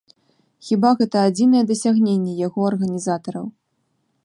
Хіба, гэта адзінае дасягненне яго арганізатараў.